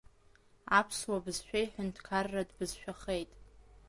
Аԥсуа бызшәа иҳәынҭқарратә бызшәахеит.